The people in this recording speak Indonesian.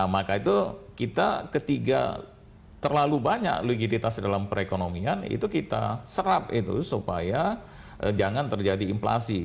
maka itu kita ketiga terlalu banyak legititas dalam perekonomian itu kita serap itu supaya jangan terjadi inflasi